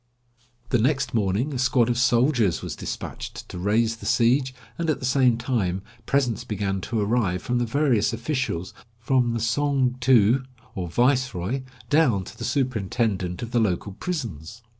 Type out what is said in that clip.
The next morning a squad of soldiers was despatched to raise the siege, and at the same time presents began to arrive from the various officials, from the Tsongtu, or viceroy, down to the superintendent of the local prisons.